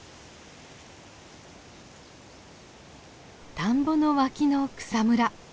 田んぼの脇の草むら。